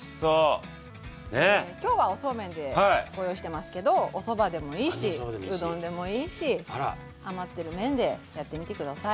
今日はおそうめんでご用意してますけどおそばでもいいしうどんでもいいし余ってる麺でやってみて下さい！